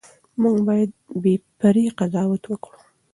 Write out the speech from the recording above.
موږ باید بې پرې قضاوت وکړو.